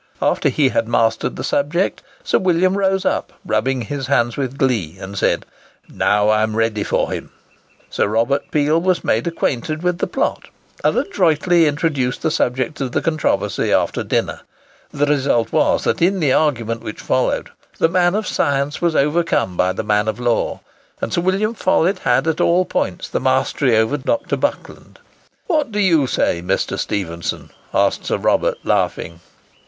After he had mastered the subject, Sir William rose up, rubbing his hands with glee, and said, "Now I am ready for him." Sir Robert Peel was made acquainted with the plot, and adroitly introduced the subject of the controversy after dinner. The result was, that in the argument which followed, the man of science was overcome by the man of law; and Sir William Follett had at all points the mastery over Dr. Buckland. "What do you say, Mr. Stephenson?" asked Sir Robert, laughing.